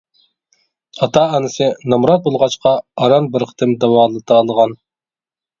ئاتا-ئانىسى نامرات بولغاچقا، ئاران بىر قېتىم داۋالىتالىغان.